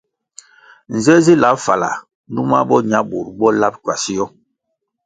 Nze zih lab fala numa bo ña bur bo lab kwasio ?